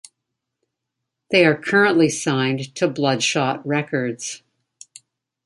They are currently signed to Bloodshot Records.